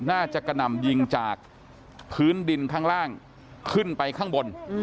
กระหน่ำยิงจากพื้นดินข้างล่างขึ้นไปข้างบน